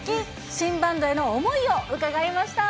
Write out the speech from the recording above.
新バンドへの思いを伺いました。